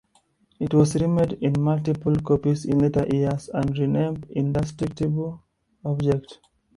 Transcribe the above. It was remade in multiple copies in later years, and renamed "Indestructible Object".